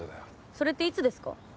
それっていつですか？